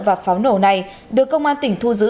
và pháo nổ này được công an tỉnh thu giữ